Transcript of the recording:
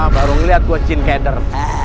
baru ngeliat gua jin keder